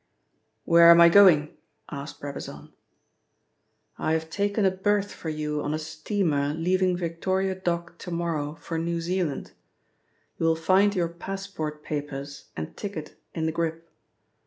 "Where am I going?" asked Brabazon. "I have taken a berth for you on a steamer leaving Victoria Dock to morrow for New Zealand. You will find your passport papers and ticket in the grip.